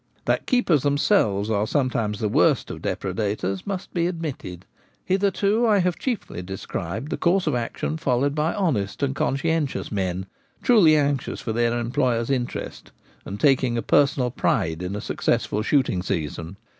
That keepers themselves are sometimes the worst of depredators must be admitted. Hitherto I have chiefly described the course of action followed by honest and conscientious men, truly anxious for their employers' interests, and taking a personal pride in a successful shooting season.